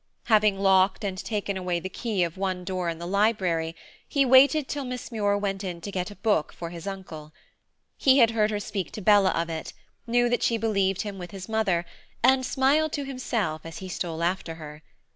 Having locked and taken away the key of one door in the library, he waited till Miss Muir went in to get a book for his uncle. He had heard her speak to Bella of it, knew that she believed him with his mother, and smiled to himself as he stole after her.